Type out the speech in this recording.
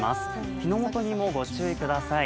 火の元にもご注意ください。